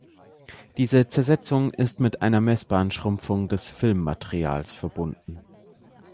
Diese Zersetzung ist mit einer messbaren Schrumpfung des Filmmaterials verbunden.